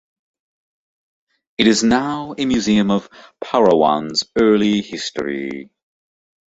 It is now a museum of Parowan's early history.